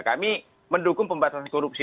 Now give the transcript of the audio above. kami mendukung pembatasan korupsi